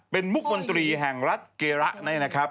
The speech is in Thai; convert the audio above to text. เป็นมุกมนตรีแห่งรัฐเกระเนี่ยนะครับ